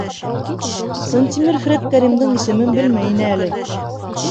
Сынтимер Фред-Кәримдең исемен белмәй ине әле.